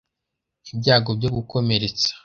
ibyago byo gukomeretsa. I.